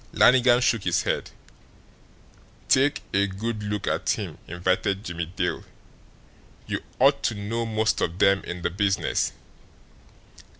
Lannigan shook his head. "Take a good look at him," invited Jimmie Dale. "You ought to know most of them in the business."